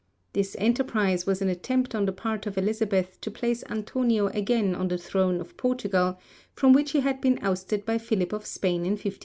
This enterprise was an attempt on the part of Elizabeth to place Antonio again on the throne of Portugal, from which he had been ousted by Philip of Spain in 1580.